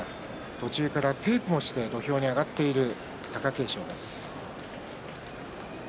途中からテープをして土俵に上がっている貴景勝です。